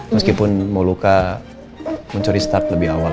meskipun moluka mencuri start lebih awal